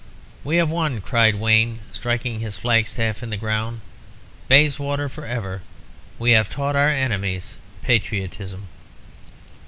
"'We have won!' cried Wayne, striking his flag staff in the ground. 'Bayswater for ever! We have taught our enemies patriotism!'